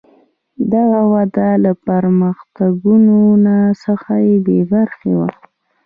دغه وده له پرمختګونو څخه بې برخې وه.